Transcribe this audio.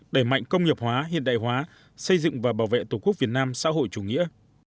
đẩy mạnh công nghiệp hóa hiện đại hóa xây dựng và bảo vệ tổ quốc việt nam xã hội chủ nghĩa